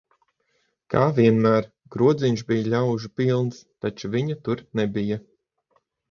Kā vienmēr, krodziņš bija ļaužu pilns, taču viņa tur nebija.